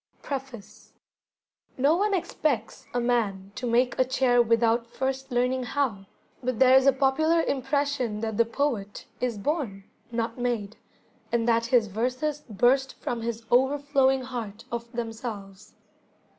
Preface No one expects a man to make a chair without first learning how, but there is a popular impression that the poet is born, not made, and that his verses burst from his overflowing heart of themselves.